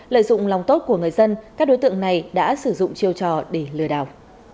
lợi dụng lòng tốt của người dân các đối tượng này đã sử dụng chiêu trò để lừa đảo